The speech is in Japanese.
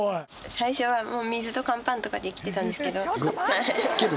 最初はもう水と乾パンとかで生きてたんですけど。